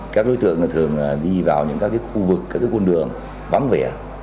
các đối tượng thường đi vào những các khu vực các con đường vắng vẻ